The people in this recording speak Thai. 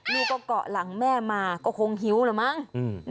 ลูกก็เกาะหลังแม่มาก็คงหิวแหละมั้ง